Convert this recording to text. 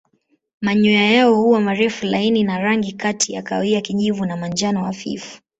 Manyoya yao huwa marefu laini na rangi kati ya kahawia kijivu na manjano hafifu.